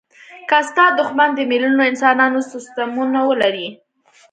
که ستا دوښمن د میلیونونو انسانانو سستمونه ولري.